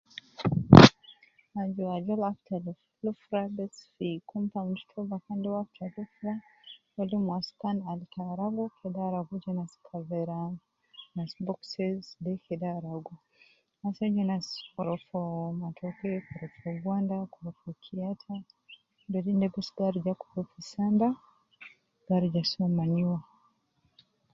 Aju ajol afta luf lufra bes fi compound to bakan de uwo afta lufra, uwo lim waskan al ta aragu ke uwo aragu je nas kavera, nas boxes bes kede aragu, ase je nas korofoo matoke, korofo gwanda, korofo kiyata, dolinde bes gi arija kub fi samba, gi arija so manure.